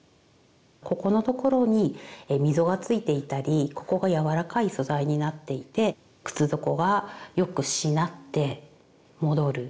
ここのところに溝がついていたりここがやわらかい素材になっていて靴底はよくしなって戻る。